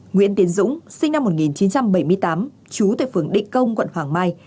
nguyễn tiến dũng sinh năm một nghìn chín trăm bảy mươi tám chú tại phường định công quận hoàng mai